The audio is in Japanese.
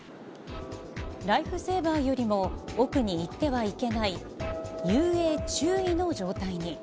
ライフセーバーよりも奥に行ってはいけない、遊泳注意の状態に。